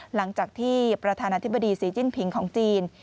หลังจากที่ประธานาธิบดีสีจิ้นผิงของจีน